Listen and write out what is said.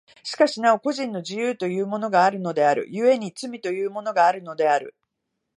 しかしなお個人の自由というものがあるのである、故に罪というものがあるのである。